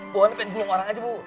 bu saya pengen gulung orang aja bu